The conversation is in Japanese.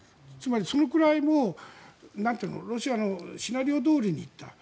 つまりそのくらい、もうロシアのシナリオどおりに行った。